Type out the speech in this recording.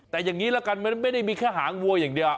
แต่อย่างนี้ละกันมันไม่ได้มีแค่หางวัวอย่างเดียว